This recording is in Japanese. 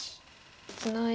ツナいで。